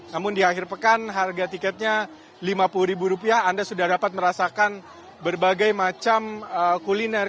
namun di akhir pekan harga tiketnya rp lima puluh anda sudah dapat merasakan berbagai macam kuliner